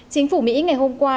chính phủ mỹ ngày hôm qua